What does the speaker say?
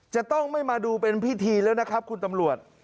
จะต้องไม่มาดูเป็นพิธีแล้วนะครับคุณตำรวจ